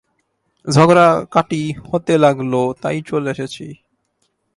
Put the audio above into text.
ঝগড়াকাটি হতে লাগল, তাই চলে এসেছি।